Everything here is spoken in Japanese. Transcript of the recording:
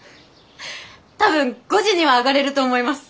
多分５時にはあがれると思います。